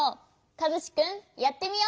かずしくんやってみよう！